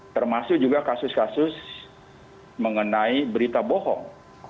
termasuk juga kasus kasus mengenai berita bohong